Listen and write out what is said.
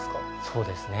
そうですね。